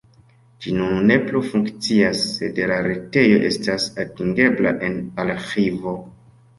Ĝi nun ne plu funkcias, sed la retejo estas atingebla en arĥivo.